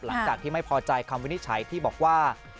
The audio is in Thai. หลังจากที่ไม่พอใจคำวินิจฉัยที่บอกว่า